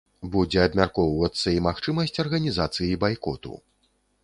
Будзе абмяркоўвацца і магчымасць арганізацыі байкоту.